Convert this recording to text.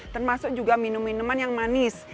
termasuk juga minum minuman yang manis